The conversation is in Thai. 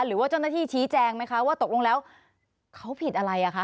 หรือว่าเจ้าหน้าที่ชี้แจงไหมคะว่าตกลงแล้วเขาผิดอะไรอ่ะคะ